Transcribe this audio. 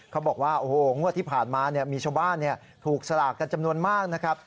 เขาบอกว่าโอ้โหงวดที่ผ่านมามีชาวบ้านถูกสลากกันจำนวนมากนะครับ